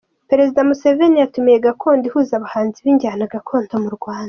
Perezida Museveni yatumiye ’Gakondo’ ihuza abahanzi b’injyana gakondo mu Rwanda